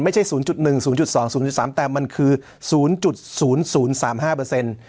ไม่ใช่ศูนย์จุดหนึ่งศูนย์จุดสองศูนย์จุดสามแต่มันคือศูนย์จุดศูนย์ศูนย์สามห้าเปอร์เซ็นต์